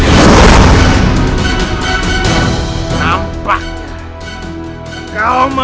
tidak ada balon